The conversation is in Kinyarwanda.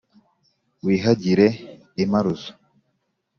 Wihagire imparuzo,